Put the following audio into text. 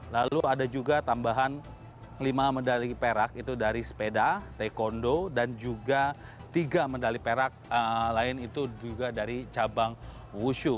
lalu ada juga tambahan lima medali perak itu dari sepeda taekwondo dan juga tiga medali perak lain itu juga dari cabang wushu